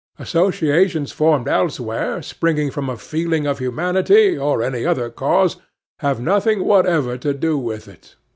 Associations formed elsewhere, springing from a feeling of humanity, or any other cause, have nothing whatever to do with it.